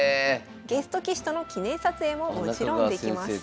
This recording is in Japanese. ゲスト棋士との記念撮影ももちろんできます。